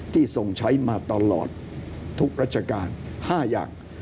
ที่ส่งใช้มาตลอดทุกราชกาลห้าอย่าง